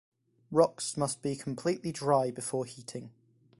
Rocks must be completely dry before heating.